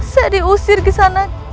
saya diusir disana